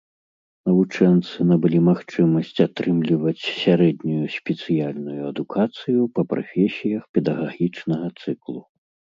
Навучэнцы набылі магчымасць атрымліваць сярэднюю спецыяльную адукацыю па прафесіях педагагічнага цыклу.